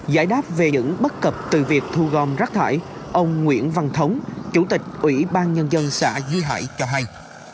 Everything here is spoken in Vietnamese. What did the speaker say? giải đáp về những bất cập từ việc thu gom rác thải ông nguyễn văn thống chủ tịch ủy ban nhân dân xã duy hải cho hay